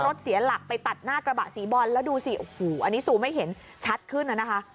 เสียหลักไปตัดหน้ากระบะสีบอลแล้วดูสิโอ้โหอันนี้ซูมให้เห็นชัดขึ้นน่ะนะคะ